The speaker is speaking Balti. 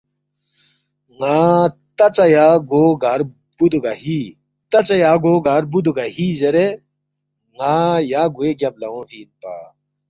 ن٘ا تاژا یا گو گار بوُدُوگا ہی تاژا یا گو گار بُودُوگا ہی زیرے ن٘ا یا گوے گیب لہ اونگفی اِنپا